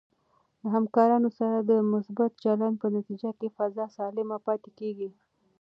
د همکارانو سره د مثبت چلند په نتیجه کې فضا سالمه پاتې کېږي.